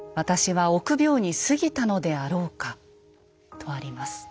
とあります。